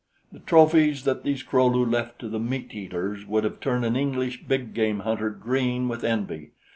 The trophies that these Kro lu left to the meat eaters would have turned an English big game hunter green with envy.